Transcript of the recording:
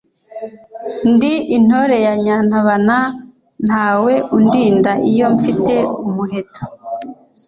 Ndi intore ya Nyantabana, ntawe undinda iyo mfite umuheto.